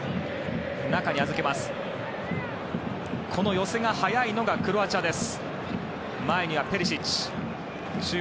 寄せが早いのがクロアチアです。